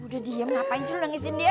udah diem ngapain sih lu nangisin dia